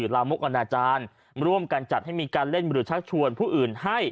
สื่อลามกรรณาจารย์ร่วมกันจัดให้มีการเล่นบริษัทชวนผู้อื่นให้